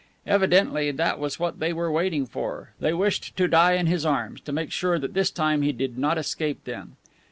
Evidently that was what they were waiting for. They wished to die in his arms, to make sure that this time he did not escape them!